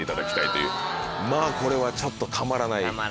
まぁこれはちょっとたまらない。